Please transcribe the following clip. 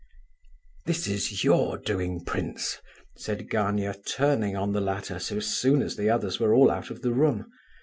"This is your doing, prince," said Gania, turning on the latter so soon as the others were all out of the room.